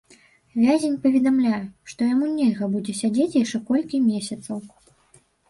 Вязень паведамляе, што яму нельга будзе сядзець яшчэ колькі месяцаў.